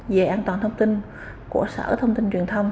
về an toàn thông tin của sở thông tin truyền thông